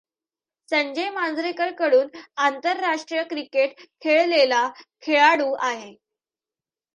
संजय मांजरेकर कडून आंतरराष्ट्रीय क्रिकेट खेळलेला खेळाडू आहे.